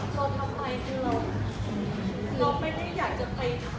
เราทำไมคือเราไม่ได้อยากจะไป